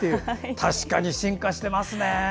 確かに進化してますね。